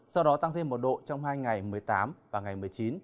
sau đó tăng thêm một độ trong hai ngày một mươi tám và ngày một mươi chín